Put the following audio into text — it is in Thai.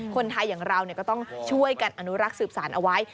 คนไทยอย่างเราก็ต้องช่วยกันอนุรักษ์สืบสารเอาไว้